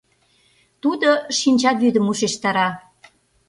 Тудо шинчавӱдым ушештара.